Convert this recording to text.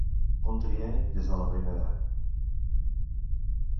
Un trienni des de la primera.